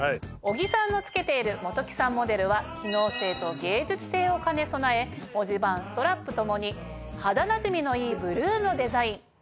小木さんの着けている本木さんモデルは機能性と芸術性を兼ね備え文字盤ストラップともに肌なじみのいいブルーのデザイン。